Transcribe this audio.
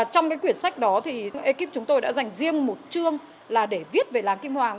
trong cái quyển sách đó thì ekip chúng tôi đã dành riêng một chương là để viết về làng kim hoàng